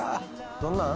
どんなん？